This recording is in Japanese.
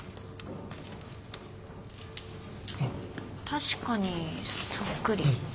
確かにそっくり。